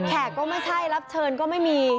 แขกก็ไม่ใช่รับเชิญก็ไม่มี